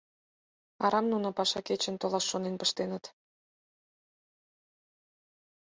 — Арам нуно паша кечын толаш шонен пыштеныт.